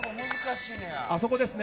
あそこですね。